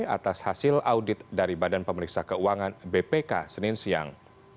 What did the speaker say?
atas hasil audit dari badan pemeriksa keuangan bpk senin siang